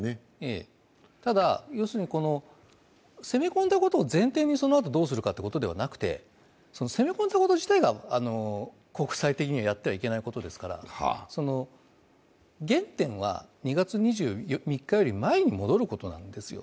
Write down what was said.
ええ、ただ、攻め込んだことを前提にそのあとどうするかではなくて攻め込んだこと自体が国際的にはやってはいけないことですから、原点は２月２３日より前に戻ることなんですよ。